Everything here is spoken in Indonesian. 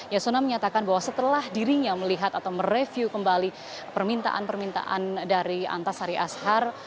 yasona menyatakan bahwa setelah dirinya melihat atau mereview kembali permintaan permintaan dari antasari ashar